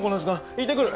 行ってくる！